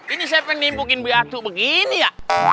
ini siapa yang nipukin beratu begini ya